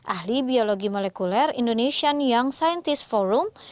ahli biologi molekuler indonesian young scientist forum